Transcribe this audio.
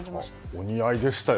お似合いでしたよ。